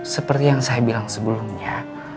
seperti yang saya bilang sebelumnya